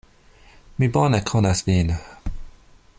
Mi bone konas Vin!